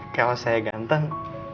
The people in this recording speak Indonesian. kalau saya ganteng